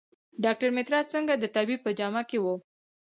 ډاکټر مترا سینګه د طبیب په جامه کې و.